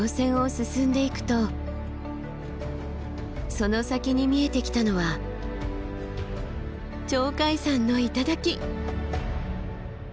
その先に見えてきたのは鳥海山の頂。